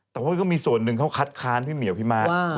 แต่ว่าก็มีส่วนหนึ่งเขาคัดค้านพี่เหมียวพี่ม้า